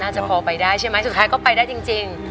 จะพอไปได้ใช่ไหมสุดท้ายก็ไปได้จริง